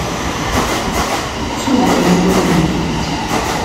Kkes ugur i wul-nnek.